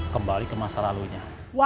kembali ke masa lalunya